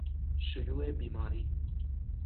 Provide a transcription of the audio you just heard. شیوع بیماری